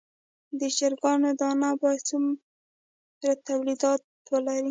د چرګانو دانه باید تولید شي.